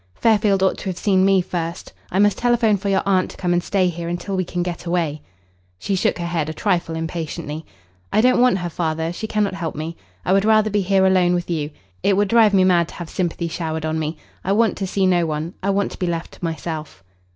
Fairfield ought to have seen me first. I must telephone for your aunt to come and stay here until we can get away." She shook her head a trifle impatiently. "I don't want her, father. She cannot help me. I would rather be here alone with you. It would drive me mad to have sympathy showered on me. I want to see no one. I want to be left to myself."